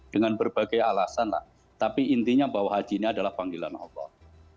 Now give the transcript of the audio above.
dengan berbagai alasan lah tapi intinya bahwa haji ini adalah panggilan allah